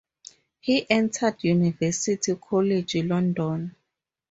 He entered University College London.